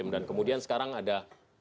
dan kemudian sekarang ada